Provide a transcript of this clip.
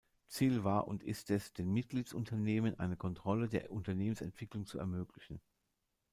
Ziel war und ist es, den Mitgliedsunternehmen eine Kontrolle der Unternehmensentwicklung zu ermöglichen.